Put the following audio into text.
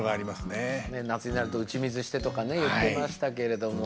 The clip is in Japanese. ねえ夏になると打ち水してとかね言ってましたけれども。